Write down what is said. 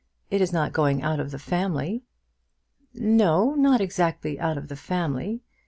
It is not going out of the family." "No; not exactly out of the family.